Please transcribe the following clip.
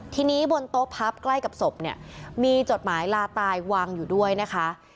ทีนี้บนโต๊ะพับใกล้กับศพเนี่ยมีจดหมายลาตายวางอยู่ด้วยนะคะ